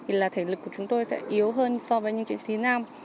bản thân tôi là nữ thì là thể lực của chúng tôi sẽ yếu hơn so với những chiến sĩ nam